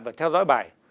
phải theo dõi bài